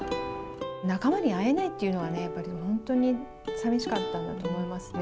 仲間に会えないというのはね、やっぱり本当に寂しかったんだと思いますね。